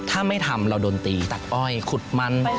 ถ้าไม่ทำเราโดนตีตัดอ้อยขุดมัน